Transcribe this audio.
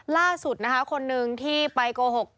ล่าสุดคนหนึ่งที่ไปโกหก